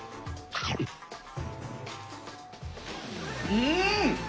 うん！